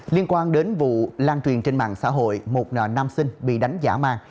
liên quan đến vụ lan truyền trên mạng xã hội một nợ nam sinh bị đánh giả mang